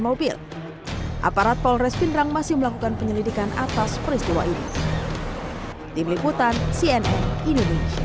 mobil aparat polres pinderang masih melakukan penyelidikan atas peristiwa ini di beliputan cnn